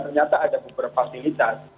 ternyata ada beberapa fasilitas